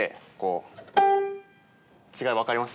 違い分かります？